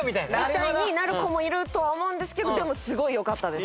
みたいになる子もいるとは思うんですけどでもすごいよかったです。